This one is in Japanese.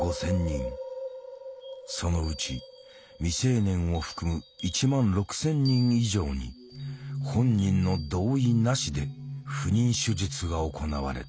そのうち未成年を含む１万６，０００人以上に本人の同意なしで不妊手術が行われた。